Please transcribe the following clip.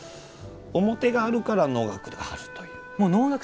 面があるから能楽があるという。